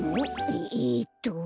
ええっと。